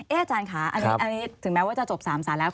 อาจารย์ค่ะอันนี้ถึงแม้ว่าจะจบ๓ศาลแล้ว